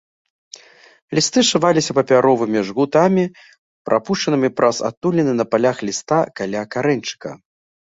Лісты сшываліся папяровымі жгутамі, прапушчанымі праз адтуліны на палях ліста каля карэньчыка.